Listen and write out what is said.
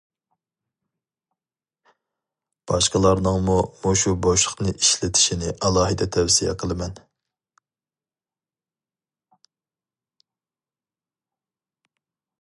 باشقىلارنىڭمۇ مۇشۇ بوشلۇقنى ئىشلىتىشىنى ئالاھىدە تەۋسىيە قىلىمەن.